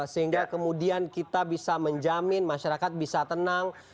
sehingga kemudian kita bisa menjamin masyarakat bisa tenang